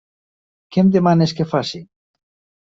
Què em demanes que faci?